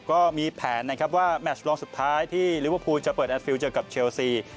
ก็มีแผนนะครับว่าแมชลองสุดท้ายที่ลิเวอร์พูลจะเปิดแอร์ฟิลเจอกับเชลซี